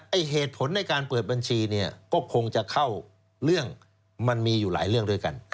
เหตุผลในการเปิดบัญชีเนี่ยก็คงจะเข้าเรื่องมันมีอยู่หลายเรื่องด้วยกัน